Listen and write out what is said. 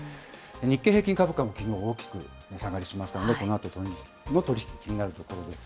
日経平均株価もきのう、大きく値下がりしましたね、このあとの取り引き、気になるところです。